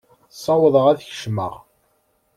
Ssawḍeɣ ad kecmeɣ.